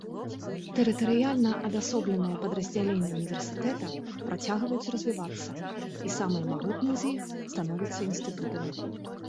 Тэрытарыяльна адасобленыя падраздзяленні ўніверсітэта працягваюць развівацца і самыя магутныя з іх становяцца інстытутамі.